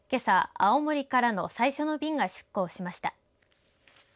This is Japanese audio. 青森からの最初の便が出港しました。